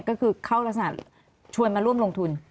ก็คือเข้ารักษณะชวนมาร่วมลงทุน